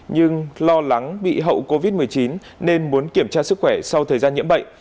nhưng lo lắng bị hậu covid một mươi chín nên muốn kiểm tra sức khỏe sau thời gian nhiễm bệnh